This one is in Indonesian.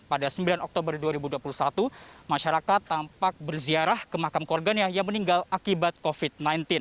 pada sembilan oktober dua ribu dua puluh satu masyarakat tampak berziarah ke makam keluarganya yang meninggal akibat covid sembilan belas